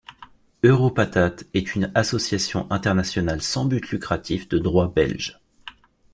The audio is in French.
Europatat est une association internationale sans but lucratif de droit belge.